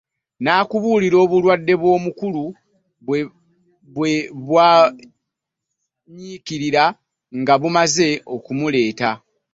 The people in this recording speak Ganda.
Nnakubuulira obulwadde bw'omukulu bwe bwanyiikira nga tumaze okumuleeta.